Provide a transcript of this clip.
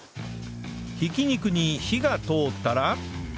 挽き肉に火が通ったら